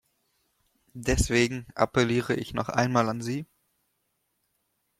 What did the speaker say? Deswegen appelliere ich noch einmal an Sie.